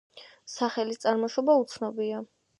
სახელის წარმოშობა უცნობია.